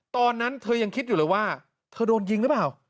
ตอนนั้นเธอยังคิดอยู่เลยว่าเธอโดนยิงหรือเปล่า